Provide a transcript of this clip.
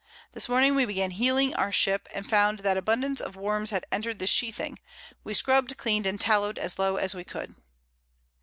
This Morning we began heeling our Ship, and found that abundance of Worms had entered the Sheathing; we scrub'd, clean'd, and tallow'd as low as we could.